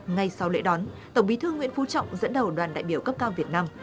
ngay sau lễ đón tổng bí thư nguyễn phú trọng dẫn đầu đoàn đại biểu cấp cao việt nam